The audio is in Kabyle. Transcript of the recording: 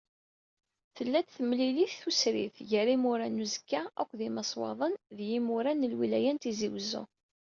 Tella-d temlilit tusridt gar yimura n uzekka akked yimaswaḍen d yimura n lwilaya n Tizi Uzzu.